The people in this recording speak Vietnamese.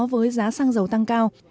với giá xăng dầu tăng cao